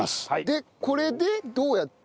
でこれでどうやって。